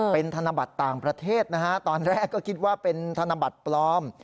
เป็นธนบัตรต่างประเทศนะฮะตอนแรกก็คิดว่าเป็นธนบัตรปลอม